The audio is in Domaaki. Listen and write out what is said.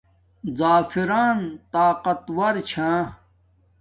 زَفران طاقت وار چھا